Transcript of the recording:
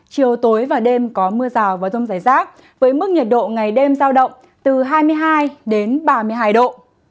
chiều tối và đêm có mưa rào và rông rải rác với mức nhiệt độ ngày đêm giao động từ hai mươi hai đến ba mươi hai độ